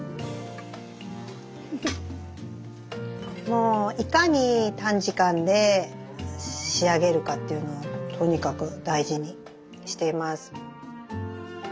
もういかに短時間で仕上げるかっていうのをとにかく大事にしています。